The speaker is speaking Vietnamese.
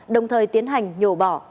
đồng thời tiến hành nhổ bỏ